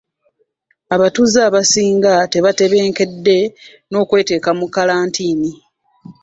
Abatuuze abasinga tebatebenkedda n'okweteeka mu kalantiini.